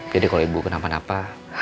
jadi kalau ibu kenapa napa